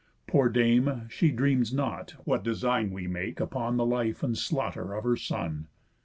Poor dame, she dreams not, what design we make Upon the life and slaughter of her son."